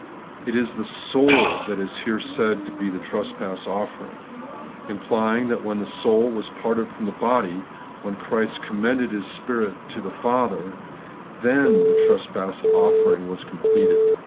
It is the soul that is here said to be the trespass offering ; implying that when the soul was parted from the body, when Christ com mended His spirit to His Father, then the trespass offering was completed.